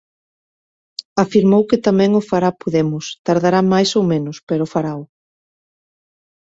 Afirmou que "tamén o fará Podemos, tardará máis ou menos, pero farao".